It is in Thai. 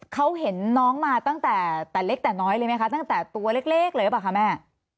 เขาเห็นน้องมาตั้งแต่เล็กแต่น้อยเลยไหมคะตั้งแต่ตัวเล็กเลยหรือเปล่าคะแม่